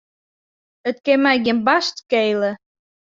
It kin my gjin barst skele.